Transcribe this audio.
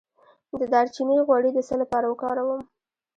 د دارچینی غوړي د څه لپاره وکاروم؟